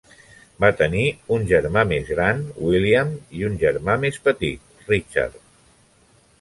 Va tenir un germà més gran, William, i un germà més petit, Richard.